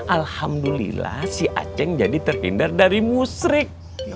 alhamdulillah si aceng jadi terhindar dari musrik